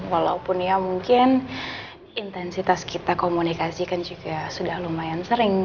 walaupun ya mungkin intensitas kita komunikasi kan juga sudah lumayan sering